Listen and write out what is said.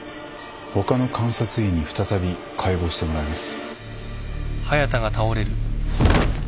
他の監察医に再び解剖してもらいます。